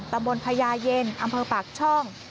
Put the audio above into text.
ตำบลพญาเย็นอำเภอปากช่อง